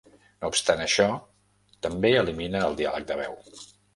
No obstant això, també elimina el diàleg de veu.